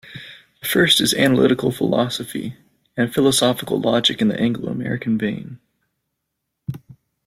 The first is analytic philosophy and philosophical logic in the Anglo-American vein.